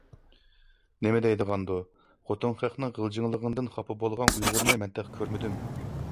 -نېمە دەيدىغاندۇ، خوتۇن خەقنىڭ غىلجىڭلىغىنىدىن خاپا بولغان ئۇيغۇرنى مەن تېخى كۆرمىدىم!